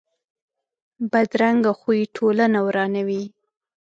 بدرنګه خوی ټولنه ورانوي